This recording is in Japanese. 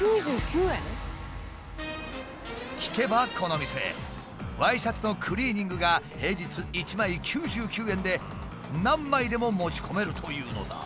聞けばこの店ワイシャツのクリーニングが平日１枚９９円で何枚でも持ち込めるというのだ。